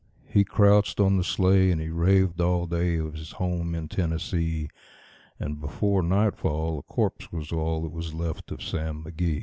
He crouched on the sleigh, and he raved all day of his home in Tennessee; And before nightfall a corpse was all that was left of Sam McGee.